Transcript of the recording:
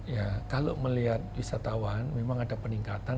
ya kalau melihat wisatawan memang ada peningkatan